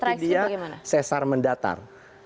berarti dia sesar mendatar